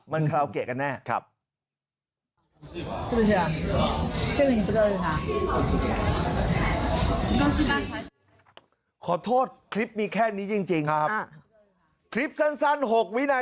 มันเคลาเกะกันแน่